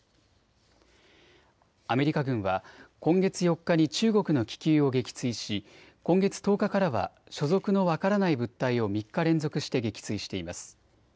アメリカ軍は今月４日に中国の気球を撃墜し今月１０日からは所属の分からない物体を３日連続して撃墜しています。